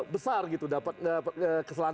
besar gitu dapat kesalahan